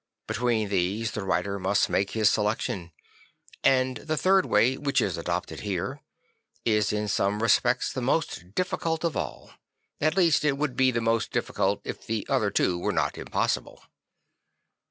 Between these the writer must make his selection; and the third way, which is adopted here, is in some respects the most difficult of all. At least, it would be the most difficult if the other two were not impossible.